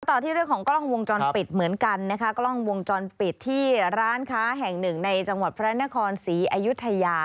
ต่อที่เรื่องของกล้องวงจรปิดเหมือนกันนะคะกล้องวงจรปิดที่ร้านค้าแห่งหนึ่งในจังหวัดพระนครศรีอายุทยา